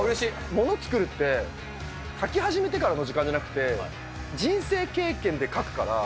もの作るって、書き始めてからの時間じゃなくて、人生経験で描くから。